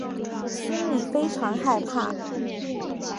心里非常害怕